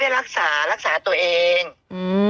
รักษาตนเดียว